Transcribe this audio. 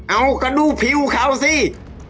เอากระดูกผิวเขาสิ